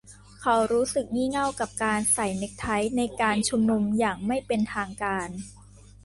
เขารู้สึกงี่เง่ากับการใส่เน็คไทในการชุมนุมอย่างไม่เป็นทางการ